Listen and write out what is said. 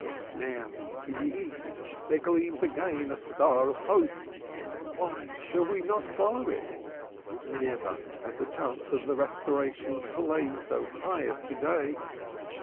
Now in the East there gleams again a star of hope why shall we not follow it? Never has the chance of the Restoration flamed so high as to day.